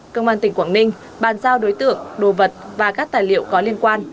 công an tỉnh quảng ninh bàn giao đối tượng đồ vật và các tài liệu có liên quan